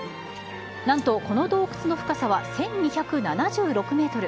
なんとこの洞窟の深さは１２７６メートル。